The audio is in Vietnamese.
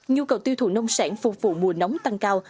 nhu cầu tiêu thụ nông sản phục vụ mùa nóng tăng cao